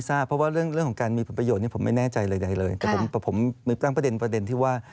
อะไรหรือเปล่า